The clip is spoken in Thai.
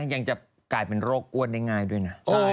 ยังจะกลายเป็นโรคอ้วนได้ง่ายด้วยนะ